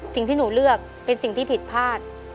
สิ่งที่หนูเลือกเป็นสิ่งที่ผิดพลาด